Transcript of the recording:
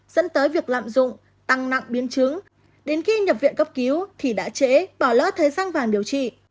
dẫn tới việc lạm dụng tăng nặng biến chứng đến khi nhập viện cấp cứu thì đã trễ bỏ lỡ thời gian vàng điều trị